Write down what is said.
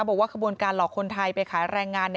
บอกว่าขบวนการหลอกคนไทยไปขายแรงงาน